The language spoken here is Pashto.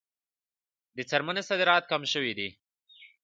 د څرمنې صادرات کم شوي دي